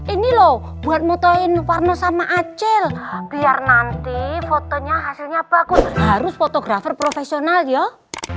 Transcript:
ini loh buat motohin warno sama acil biar nanti fotonya hasilnya bagus harus fotografer profesional yuk